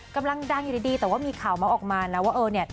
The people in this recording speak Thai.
กำลังดังอยู่ดีแต่ว่ามีข่าวเมาส์ออกมานะว่าเออเนี่ย